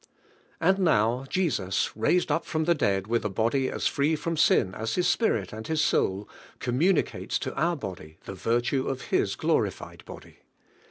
And now Jesus, raised up from the dead with abody as free from sin as His spirit and His soul, com municates to our body the virtue of His glorified body.